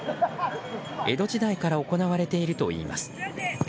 江戸時代から行われているといいます。